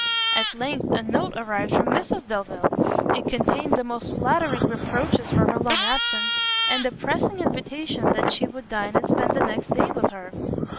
At length a note arrived from Mrs Delvile. It contained the most flattering reproaches for her long absence, and a pressing invitation that she would dine and spend the next day with her.